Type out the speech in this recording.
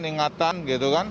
ingatan gitu kan